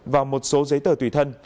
và một số giấy tờ tùy thân